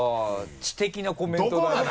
知的なコメントだね。